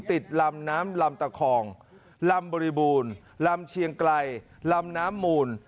ติดลำน้ำลำตะคองลำบริบูรณ์ลำเชียงไกลลำน้ำมูล